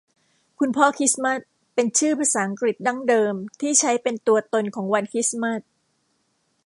คุณพ่อคริสมาสต์เป็นชื่อภาษาอังกฤษดั้งเดิมที่ใช้เป็นตัวตนของวันคริสต์มาส